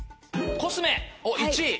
コスメおっ１位！